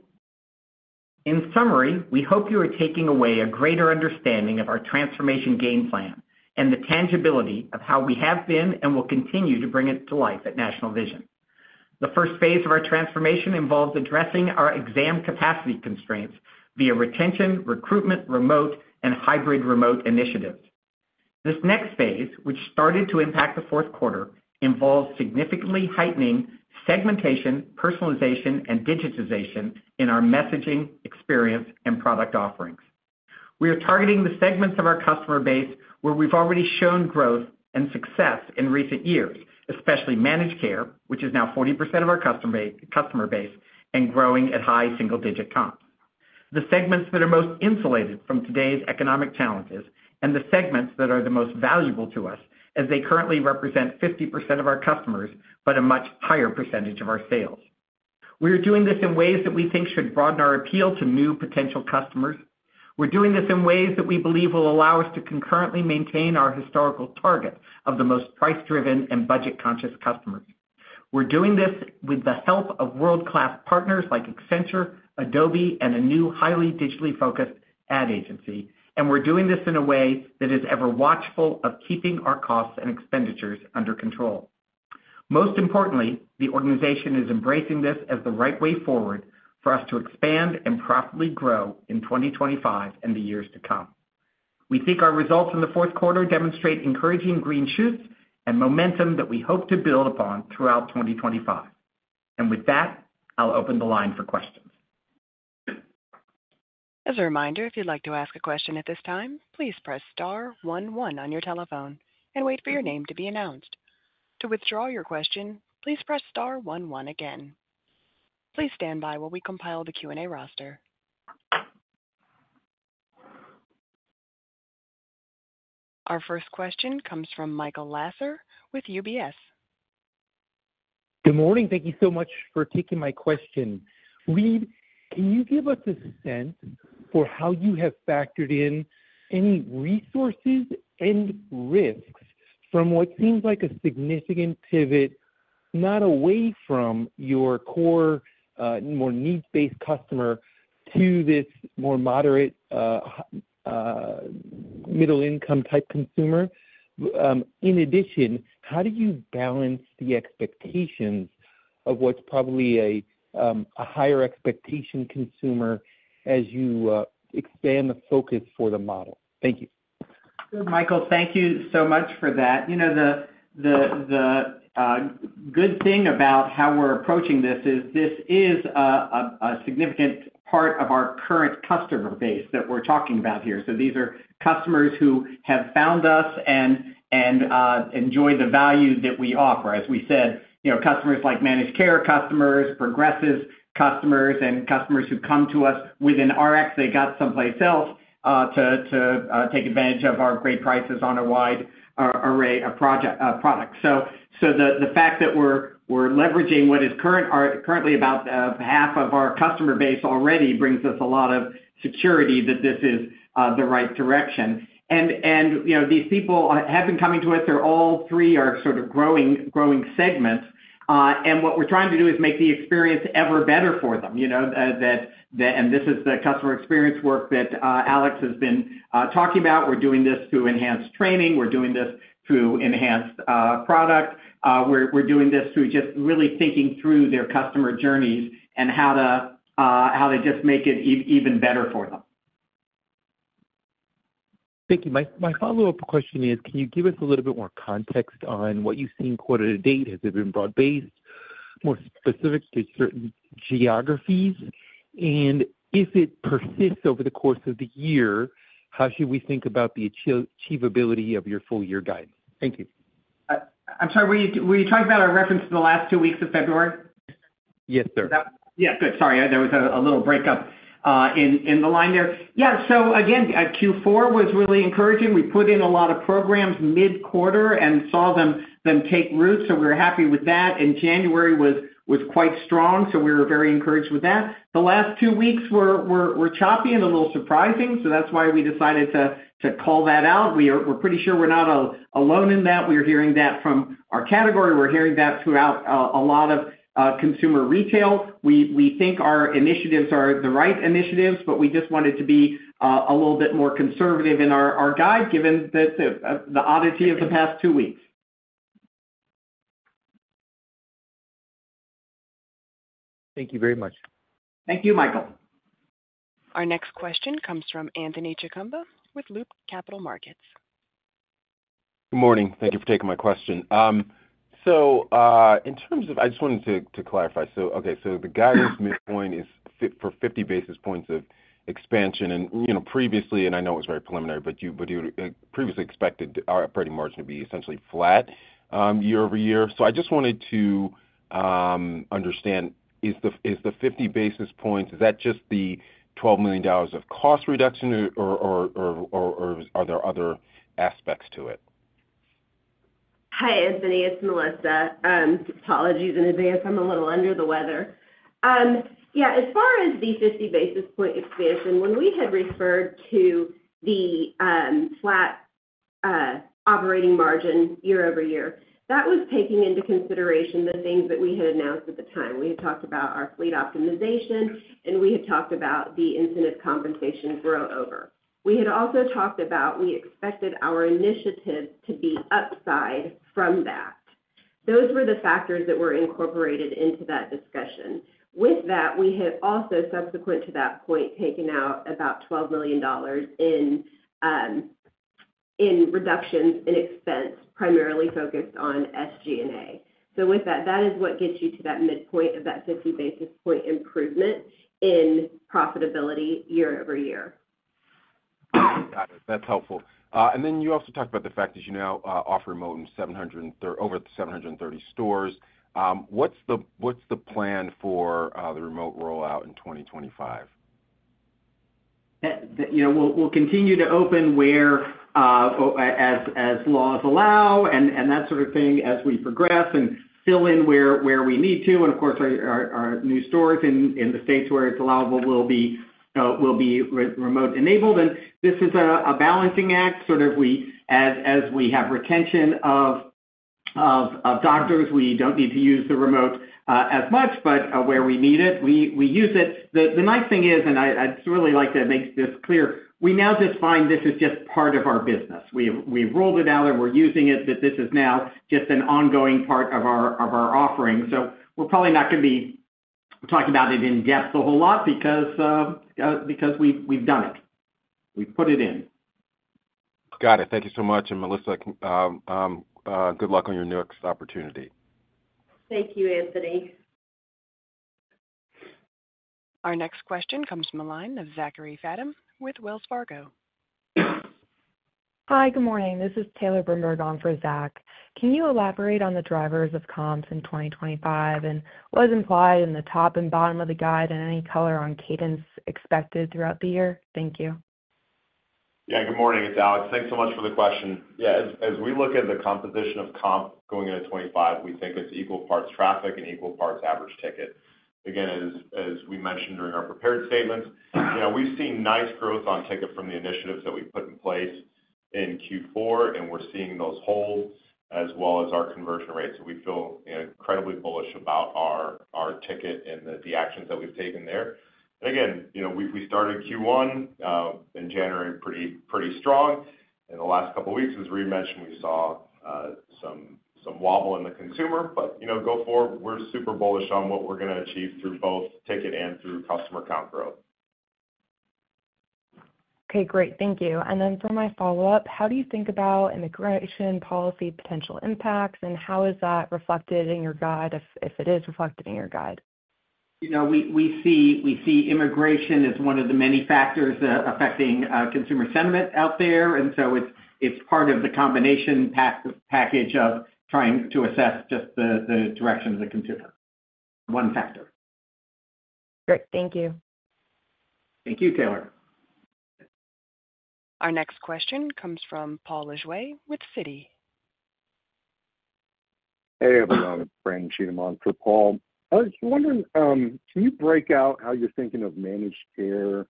In summary, we hope you are taking away a greater understanding of our transformation game plan and the tangibility of how we have been and will continue to bring it to life at National Vision. The first phase of our transformation involves addressing our exam capacity constraints via retention, recruitment, remote, and hybrid remote initiatives. This next phase, which started to impact the fourth quarter, involves significantly heightening segmentation, personalization, and digitization in our messaging, experience, and product offerings. We are targeting the segments of our customer base where we've already shown growth and success in recent years, especially managed care, which is now 40% of our customer base and growing at high single-digit comps. The segments that are most insulated from today's economic challenges and the segments that are the most valuable to us, as they currently represent 50% of our customers but a much higher percentage of our sales. We are doing this in ways that we think should broaden our appeal to new potential customers. We're doing this in ways that we believe will allow us to concurrently maintain our historical target of the most price-driven and budget-conscious customers. We're doing this with the help of world-class partners like Accenture, Adobe, and a new highly digitally focused ad agency, and we're doing this in a way that is ever watchful of keeping our costs and expenditures under control. Most importantly, the organization is embracing this as the right way forward for us to expand and profitably grow in 2025 and the years to come. We think our results in the fourth quarter demonstrate encouraging green shoots and momentum that we hope to build upon throughout 2025. And with that, I'll open the line for questions. As a reminder, if you'd like to ask a question at this time, please press star one one on your telephone and wait for your name to be announced. To withdraw your question, please press star one one again. Please stand by while we compile the Q&A roster. Our first question comes from Michael Lasser with UBS. Good morning. Thank you so much for taking my question. Reade, can you give us a sense for how you have factored in any resources and risks from what seems like a significant pivot, not away from your core more needs-based customer, to this more moderate middle-income-type consumer? In addition, how do you balance the expectations of what's probably a higher-expectation consumer as you expand the focus for the model? Thank you. Michael, thank you so much for that. You know, the good thing about how we're approaching this is this is a significant part of our current customer base that we're talking about here. So these are customers who have found us and enjoy the value that we offer. As we said, customers like managed care customers, progressive customers, and customers who come to us with an RX they got someplace else to take advantage of our great prices on a wide array of products. So the fact that we're leveraging what is currently about half of our customer base already brings us a lot of security that this is the right direction. And these people have been coming to us. They're all three are sort of growing segments. And what we're trying to do is make the experience ever better for them. And this is the customer experience work that Alex has been talking about. We're doing this through enhanced training. We're doing this through enhanced product. We're doing this through just really thinking through their customer journeys and how to just make it even better for them. Thank you. My follow-up question is, can you give us a little bit more context on what you've seen quarter to date? Has it been broad-based, more specific to certain geographies? And if it persists over the course of the year, how should we think about the achievability of your full-year guidance? Thank you. I'm sorry. Were you talking about our reference to the last two weeks of February? Yes, sir. Yeah. Good. Sorry. There was a little breakup in the line there. Yeah. So again, Q4 was really encouraging. We put in a lot of programs mid-quarter and saw them take root. So we were happy with that. And January was quite strong. So we were very encouraged with that. The last two weeks were choppy and a little surprising. So that's why we decided to call that out. We're pretty sure we're not alone in that. We're hearing that from our category. We're hearing that throughout a lot of consumer retail. We think our initiatives are the right initiatives, but we just wanted to be a little bit more conservative in our guide, given the oddity of the past two weeks. Thank you very much. Thank you, Michael. Our next question comes from Anthony Chukumba with Loop Capital Markets. Good morning. Thank you for taking my question. So in terms of I just wanted to clarify. So okay. So the guidance midpoint is for 50 basis points of expansion. And previously, and I know it was very preliminary, but you previously expected our operating margin to be essentially flat year over year. So I just wanted to understand, is the 50 basis points, is that just the $12 million of cost reduction, or are there other aspects to it? Hi, Anthony. It's Melissa. Apologies in advance. I'm a little under the weather. Yeah. As far as the 50 basis point expansion, when we had referred to the flat operating margin year-over-year, that was taking into consideration the things that we had announced at the time. We had talked about our fleet optimization, and we had talked about the incentive compensation grow over. We had also talked about we expected our initiative to be upside from that. Those were the factors that were incorporated into that discussion. With that, we had also, subsequent to that point, taken out about $12 million in reductions in expense, primarily focused on SG&A. So with that, that is what gets you to that midpoint of that 50 basis point improvement in profitability year-over-year. Got it. That's helpful. And then you also talked about the fact that you now offer remote in over 730 stores. What's the plan for the remote rollout in 2025? We'll continue to open where, as laws allow and that sort of thing as we progress and fill in where we need to. And of course, our new stores in the states where it's allowable will be remote-enabled. And this is a balancing act. Sort of as we have retention of doctors, we don't need to use the remote as much, but where we need it, we use it. The nice thing is, and I'd really like to make this clear, we now define this as just part of our business. We've rolled it out, and we're using it, but this is now just an ongoing part of our offering. So we're probably not going to be talking about it in depth a whole lot because we've done it. We've put it in. Got it. Thank you so much. Melissa, good luck on your next opportunity. Thank you, Anthony. Our next question comes from a line of Zachary Fadem with Wells Fargo. Hi. Good morning. This is Taylor Brimberg on for Zach. Can you elaborate on the drivers of comps in 2025 and what is implied in the top and bottom of the guide and any color on cadence expected throughout the year? Thank you. Yeah. Good morning. It's Alex. Thanks so much for the question. Yeah. As we look at the composition of comp going into 2025, we think it's equal parts traffic and equal parts average ticket. Again, as we mentioned during our prepared statements, we've seen nice growth on ticket from the initiatives that we put in place in Q4, and we're seeing those hold as well as our conversion rates. So we feel incredibly bullish about our ticket and the actions that we've taken there. And again, we started Q1 in January pretty strong. In the last couple of weeks, as Reade mentioned, we saw some wobble in the consumer. But go for it. We're super bullish on what we're going to achieve through both ticket and through customer count growth. Okay. Great. Thank you. And then for my follow-up, how do you think about immigration policy potential impacts, and how is that reflected in your guide if it is reflected in your guide? We see immigration as one of the many factors affecting consumer sentiment out there. And so it's part of the combination package of trying to assess just the direction of the consumer. One factor. Great. Thank you. Thank you, Taylor. Our next question comes from Paul Lejuez with Citi. Hey, everyone. Brandon Cheatham for Paul. I was wondering, can you break out how you're thinking of managed care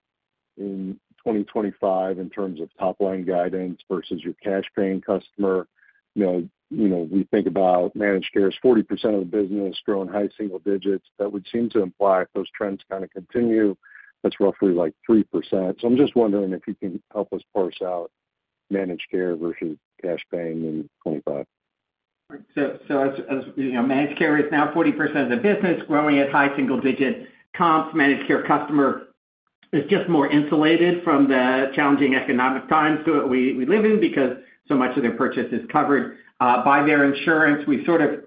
in 2025 in terms of top-line guidance versus your cash-paying customer? We think about managed care as 40% of the business growing high single digits. That would seem to imply if those trends kind of continue, that's roughly like 3%. So I'm just wondering if you can help us parse out managed care versus cash-paying in 2025. So managed care is now 40% of the business growing at high single-digit comps. Managed care customer is just more insulated from the challenging economic times that we live in because so much of their purchase is covered by their insurance. We sort of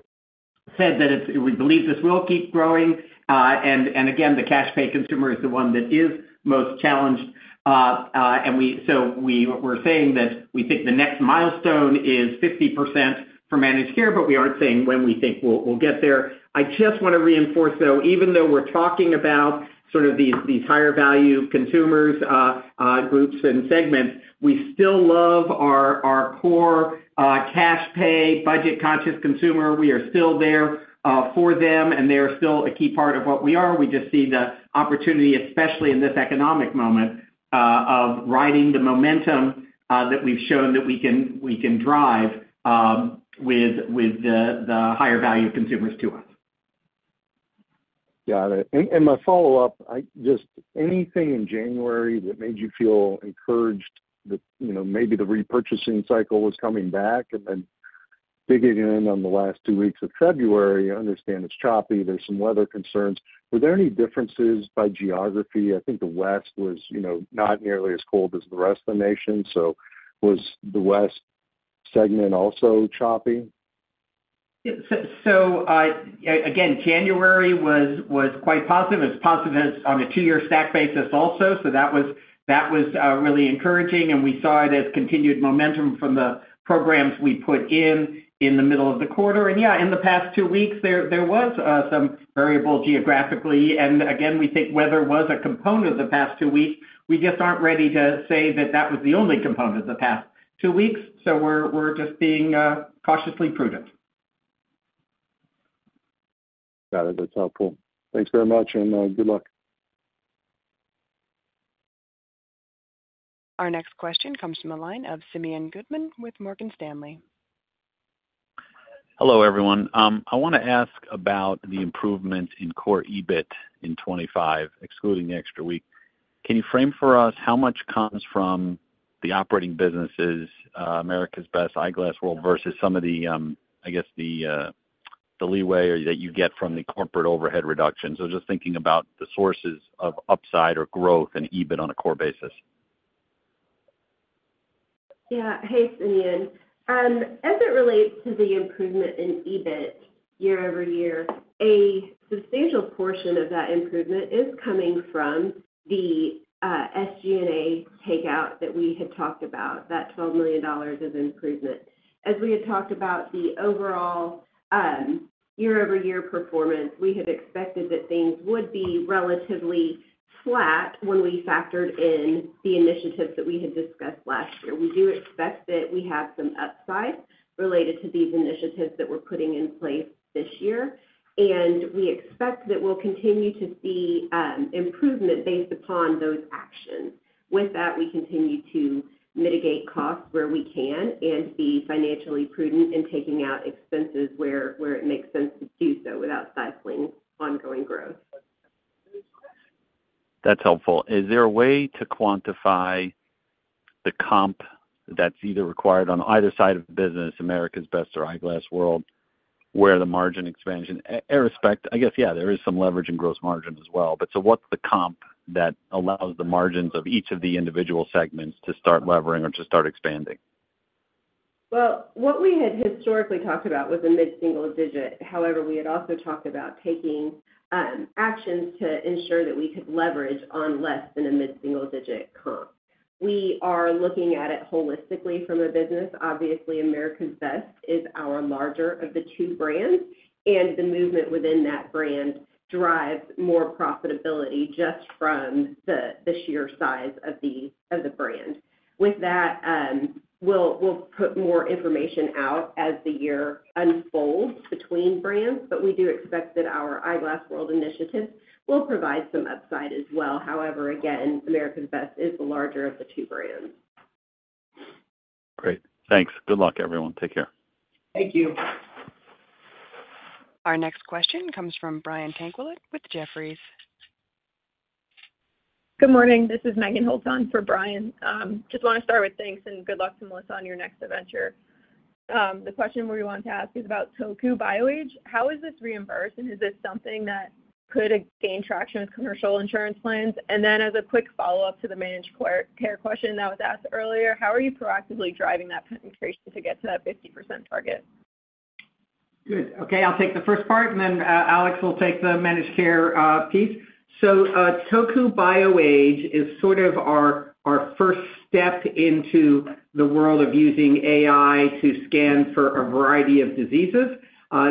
said that we believe this will keep growing. And again, the cash-pay consumer is the one that is most challenged. And so we're saying that we think the next milestone is 50% for managed care, but we aren't saying when we think we'll get there. I just want to reinforce, though, even though we're talking about sort of these higher-value consumer groups and segments, we still love our core cash-pay, budget-conscious consumer. We are still there for them, and they are still a key part of what we are. We just see the opportunity, especially in this economic moment, of riding the momentum that we've shown that we can drive with the higher-value consumers to us. Got it. And my follow-up, just anything in January that made you feel encouraged that maybe the repurchasing cycle was coming back? And then digging in on the last two weeks of February, I understand it's choppy. There's some weather concerns. Were there any differences by geography? I think the West was not nearly as cold as the rest of the nation. So was the West segment also choppy? So again, January was quite positive. It was positive on a two-year stack basis also. So that was really encouraging. And we saw it as continued momentum from the programs we put in in the middle of the quarter. And yeah, in the past two weeks, there was some variable geographically. And again, we think weather was a component of the past two weeks. We just aren't ready to say that that was the only component of the past two weeks. So we're just being cautiously prudent. Got it. That's helpful. Thanks very much, and good luck. Our next question comes from a line of Simeon Gutman with Morgan Stanley. Hello, everyone. I want to ask about the improvement in core EBIT in 2025, excluding the extra week. Can you frame for us how much comes from the operating businesses, America's Best, Eyeglass World, versus some of the, I guess, the leeway that you get from the corporate overhead reductions? So just thinking about the sources of upside or growth in EBIT on a core basis. Yeah. Hey, Simeon. As it relates to the improvement in EBIT year-over-year, a substantial portion of that improvement is coming from the SG&A takeout that we had talked about, that $12 million of improvement. As we had talked about the overall year-over-year performance, we had expected that things would be relatively flat when we factored in the initiatives that we had discussed last year. We do expect that we have some upside related to these initiatives that we're putting in place this year. And we expect that we'll continue to see improvement based upon those actions. With that, we continue to mitigate costs where we can and be financially prudent in taking out expenses where it makes sense to do so without stifling ongoing growth. That's helpful. Is there a way to quantify the comp that's either required on either side of the business, America's Best or Eyeglass World, where the margin expansion? I guess, yeah, there is some leverage in gross margin as well. But so what's the comp that allows the margins of each of the individual segments to start leveraging or to start expanding? Well, what we had historically talked about was a mid-single digit. However, we had also talked about taking actions to ensure that we could leverage on less than a mid-single digit comp. We are looking at it holistically from a business. Obviously, America's Best is our larger of the two brands, and the movement within that brand drives more profitability just from the sheer size of the brand. With that, we'll put more information out as the year unfolds between brands, but we do expect that our Eyeglass World initiatives will provide some upside as well. However, again, America's Best is the larger of the two brands. Great. Thanks. Good luck, everyone. Take care. Thank you. Our next question comes from Brian Tanquilut with Jefferies. Good morning. This is Meghan Holtz on for Brian. Just want to start with thanks and good luck to Melissa on your next adventure. The question we want to ask is about Toku BioAge. How is this reimbursed? And is this something that could gain traction with commercial insurance plans? And then, as a quick follow-up to the managed care question that was asked earlier, how are you proactively driving that penetration to get to that 50% target? Good. Okay. I'll take the first part, and then Alex will take the managed care piece. So, Toku BioAge is sort of our first step into the world of using AI to scan for a variety of diseases,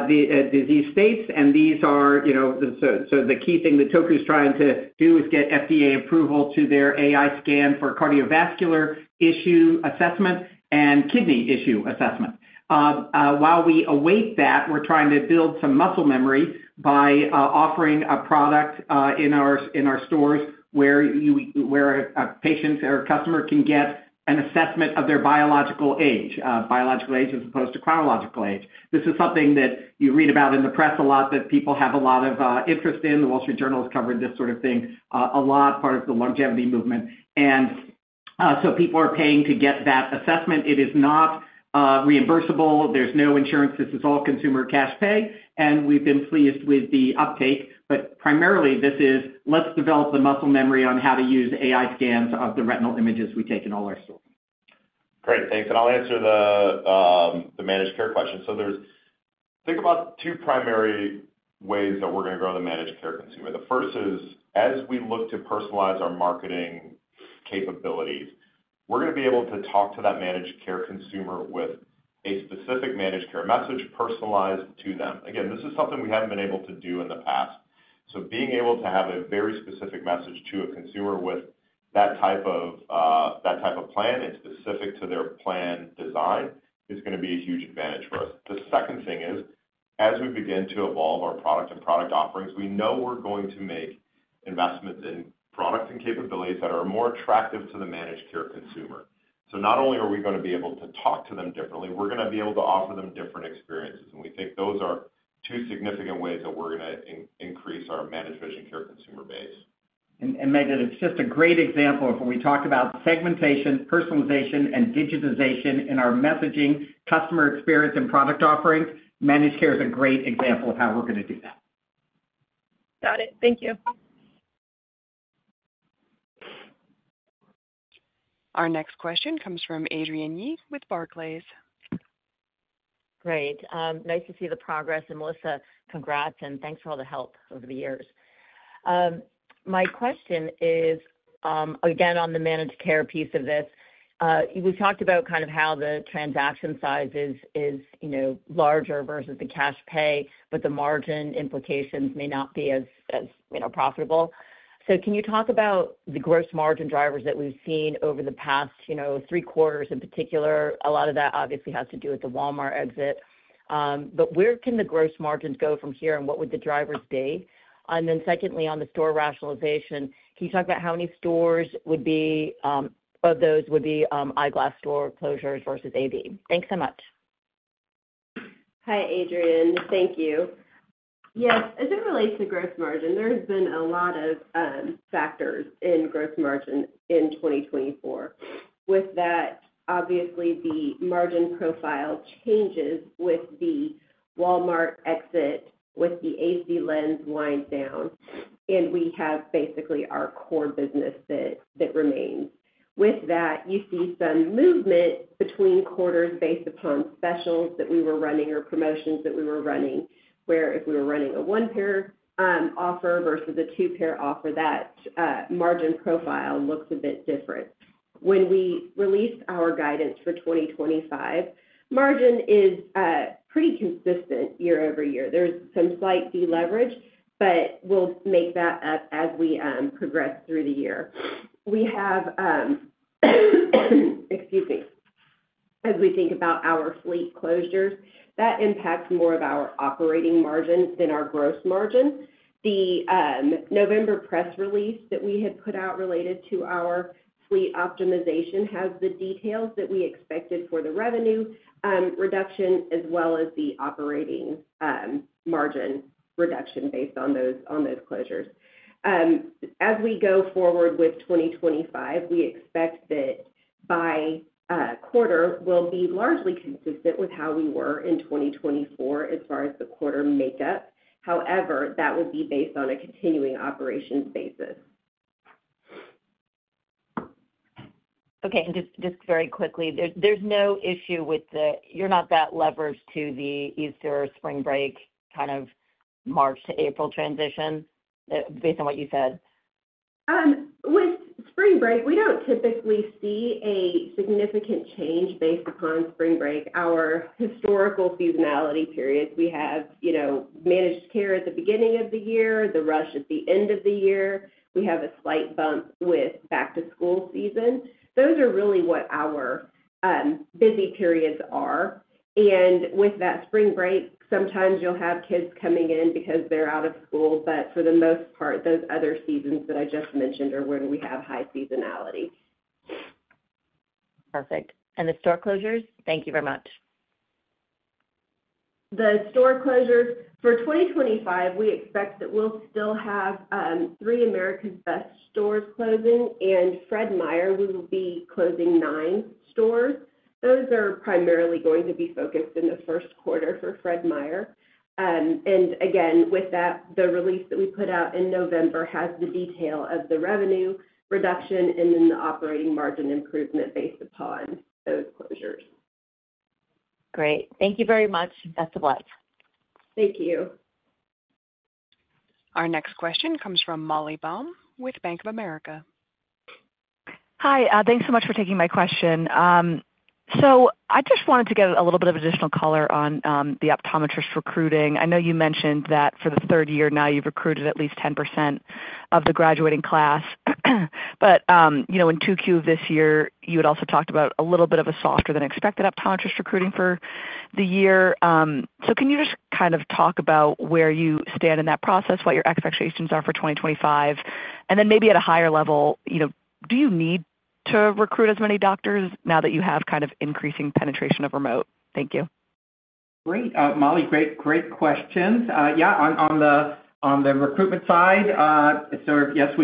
disease states. And these are so the key thing that Toku is trying to do is get FDA approval to their AI scan for cardiovascular issue assessment and kidney issue assessment. While we await that, we're trying to build some muscle memory by offering a product in our stores where a patient or a customer can get an assessment of their biological age, biological age as opposed to chronological age. This is something that you read about in the press a lot that people have a lot of interest in. The Wall Street Journal has covered this sort of thing a lot, part of the longevity movement, and so people are paying to get that assessment. It is not reimbursable. There's no insurance. This is all consumer cash-pay, and we've been pleased with the uptake, but primarily, this is let's develop the muscle memory on how to use AI scans of the retinal images we take in all our stores. Great. Thanks, and I'll answer the managed care question, so think about two primary ways that we're going to grow the managed care consumer. The first is, as we look to personalize our marketing capabilities, we're going to be able to talk to that managed care consumer with a specific managed care message personalized to them. Again, this is something we haven't been able to do in the past, so being able to have a very specific message to a consumer with that type of plan and specific to their plan design is going to be a huge advantage for us. The second thing is, as we begin to evolve our product and product offerings, we know we're going to make investments in products and capabilities that are more attractive to the managed care consumer, so not only are we going to be able to talk to them differently, we're going to be able to offer them different experiences, and we think those are two significant ways that we're going to increase our managed vision care consumer base. And Megan, it's just a great example of when we talked about segmentation, personalization, and digitization in our messaging, customer experience, and product offerings. Managed care is a great example of how we're going to do that. Got it. Thank you. Our next question comes from Adrienne Yih with Barclays. Great. Nice to see the progress. And Melissa, congrats, and thanks for all the help over the years. My question is, again, on the managed care piece of this. We talked about kind of how the transaction size is larger versus the cash-pay, but the margin implications may not be as profitable. So can you talk about the gross margin drivers that we've seen over the past three quarters in particular? A lot of that obviously has to do with the Walmart exit. But where can the gross margins go from here, and what would the drivers be? Then secondly, on the store rationalization, can you talk about how many of those would be Eyeglass World store closures versus AB? Thanks so much. Hi, Adrienne. Thank you. Yes. As it relates to gross margin, there have been a lot of factors in gross margin in 2024. With that, obviously, the margin profile changes with the Walmart exit, with the AC Lens wind down, and we have basically our core business that remains. With that, you see some movement between quarters based upon specials that we were running or promotions that we were running, where if we were running a one-pair offer versus a two-pair offer, that margin profile looks a bit different. When we released our guidance for 2025, margin is pretty consistent year over year. There's some slight deleverage, but we'll make that up as we progress through the year. We have, excuse me, as we think about our fleet closures, that impacts more of our operating margin than our gross margin. The November press release that we had put out related to our fleet optimization has the details that we expected for the revenue reduction as well as the operating margin reduction based on those closures. As we go forward with 2025, we expect that by quarter we'll be largely consistent with how we were in 2024 as far as the quarter makeup. However, that would be based on a continuing operations basis. Okay. And just very quickly, there's no issue with that. You're not that leveraged to the Easter or spring break kind of March to April transition based on what you said. With spring break, we don't typically see a significant change based upon spring break. Our historical seasonality periods, we have managed care at the beginning of the year, the rush at the end of the year. We have a slight bump with back-to-school season. Those are really what our busy periods are. And with that spring break, sometimes you'll have kids coming in because they're out of school. But for the most part, those other seasons that I just mentioned are when we have high seasonality. Perfect. And the store closures, thank you very much. The store closures for 2025, we expect that we'll still have three America's Best stores closing, and Fred Meyer will be closing nine stores. Those are primarily going to be focused in the first quarter for Fred Meyer. And again, with that, the release that we put out in November has the detail of the revenue reduction and then the operating margin improvement based upon those closures. Great. Thank you very much. Best of luck. Thank you. Our next question comes from Molly Baum with Bank of America. Hi. Thanks so much for taking my question. So I just wanted to get a little bit of additional color on the optometrist recruiting. I know you mentioned that for the third year now, you've recruited at least 10% of the graduating class. But in Q2 of this year, you had also talked about a little bit of a softer-than-expected optometrist recruiting for the year. So can you just kind of talk about where you stand in that process, what your expectations are for 2025? And then maybe at a higher level, do you need to recruit as many doctors now that you have kind of increasing penetration of remote? Thank you. Great. Molly, great questions. Yeah. On the recruitment side, so yes,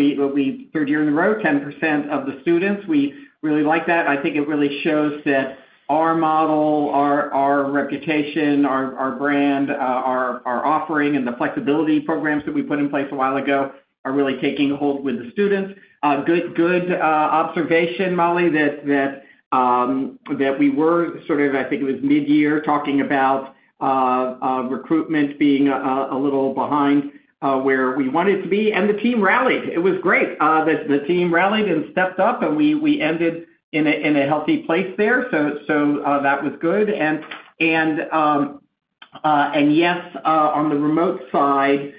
third year in a row, 10% of the students. We really like that. I think it really shows that our model, our reputation, our brand, our offering, and the flexibility programs that we put in place a while ago are really taking hold with the students. Good observation, Molly, that we were sort of, I think it was mid-year, talking about recruitment being a little behind where we wanted to be, and the team rallied. It was great that the team rallied and stepped up, and we ended in a healthy place there. So that was good, and yes, on the remote side,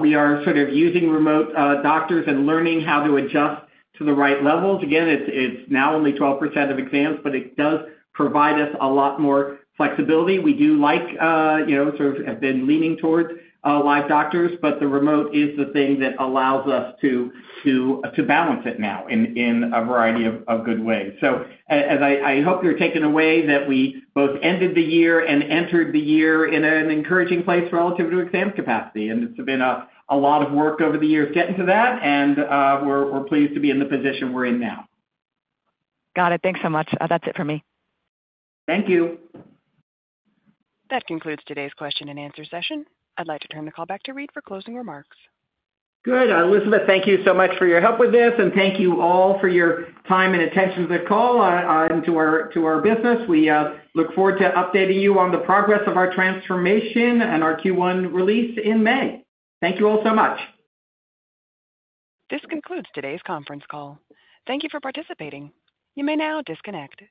we are sort of using remote doctors and learning how to adjust to the right levels. Again, it's now only 12% of exams, but it does provide us a lot more flexibility. We do like sort of have been leaning towards live doctors, but the remote is the thing that allows us to balance it now in a variety of good ways. So I hope you're taken away that we both ended the year and entered the year in an encouraging place relative to exam capacity, and it's been a lot of work over the years getting to that, and we're pleased to be in the position we're in now. Got it. Thanks so much. That's it for me. Thank you. That concludes today's question and answer session. I'd like to turn the call back to Reade for closing remarks. Good. Elizabeth, thank you so much for your help with this, and thank you all for your time and attention to the call and to our business. We look forward to updating you on the progress of our transformation and our Q1 release in May. Thank you all so much. This concludes today's conference call. Thank you for participating. You may now disconnect.